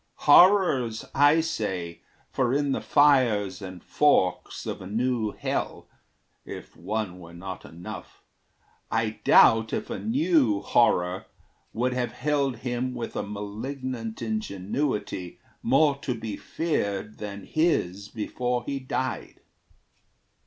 Horrors, I say, for in the fires and forks Of a new hell if one were not enough I doubt if a new horror would have held him With a malignant ingenuity More to be feared than his before he died.